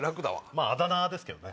まぁあだ名ですけどね。